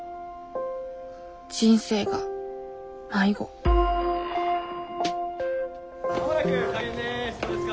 人生が迷子間もなく開演です。